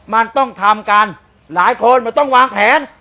มันต้องทำกันหลายคนมันต้องวางแผน